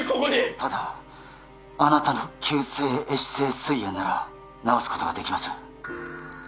ただあなたの急性壊死性膵炎なら治すことができます